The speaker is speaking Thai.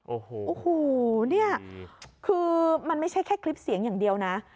โอ้โหเนี่ยคือมันไม่ใช่แค่คลิปเสียงอย่างเดียวนะ